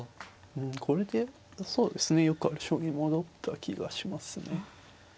これでそうですねよくある将棋に戻った気がしますね。